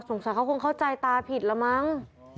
สงสัยเขาคงเข้าใจตาผิดละมั้ง